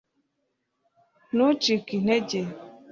ntucike intege